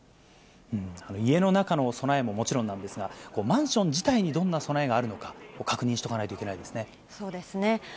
家の中の備えももちろんなんですが、マンション自体にどんな備えがあるのか、確認しておかないといけそうですね。